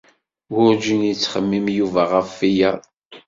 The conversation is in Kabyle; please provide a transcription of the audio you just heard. Werjin yettxemmim Yuba ɣef wiyaḍ.